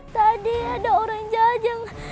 tadi ada orang jajang